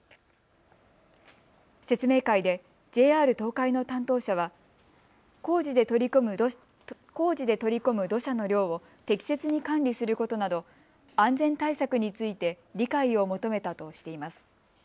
説明会でＪＲ東海の担当者は工事で取り込む土砂の量を適切に管理することなど安全対策について理解を求めたとしています。